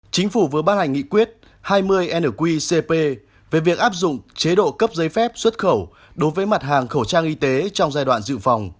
chính phủ vừa ban hành nghị quyết hai mươi nqcp về việc áp dụng chế độ cấp giấy phép xuất khẩu đối với mặt hàng khẩu trang y tế trong giai đoạn dự phòng